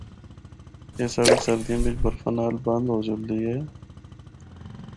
اے سڑک سردیاں بچ برفا نال بند ہو جلدی اے۔